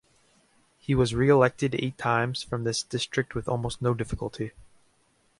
He was re-elected eight times from this district with almost no difficulty.